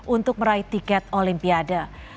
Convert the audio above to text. untuk meraih tiket olimpiade